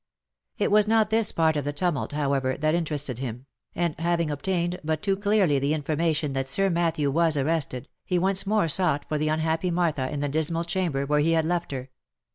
It was not this part of the tumult, however, that interested him ; and, having obtained but too clearly the information that Sir Matthew was arrested, he once more sought for the unhappy Martha in the dismal chamber where he had left her.